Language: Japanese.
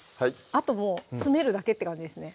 あともう詰めるだけって感じですね